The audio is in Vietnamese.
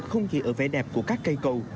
không chỉ ở vẻ đẹp của các cây cầu